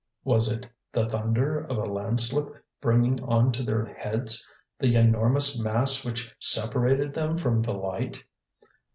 Was it the thunder of a landslip bringing on to their heads the enormous mass which separated them from the light?